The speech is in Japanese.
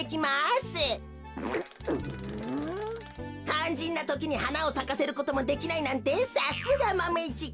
かんじんなときにはなをさかせることもできないなんてさすがマメ１くん。